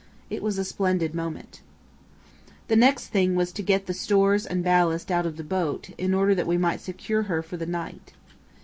It was a splendid moment. The next thing was to get the stores and ballast out of the boat, in order that we might secure her for the night.